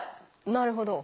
なるほど。